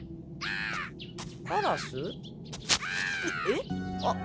えっ？